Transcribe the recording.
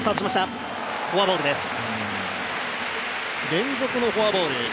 連続のフォアボール。